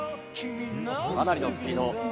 かなりのスピード。